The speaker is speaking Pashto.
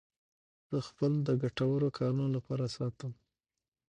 زه خپل وخت د ګټورو کارونو لپاره ساتم.